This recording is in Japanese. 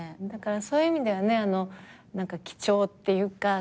だからそういう意味ではね貴重っていうか。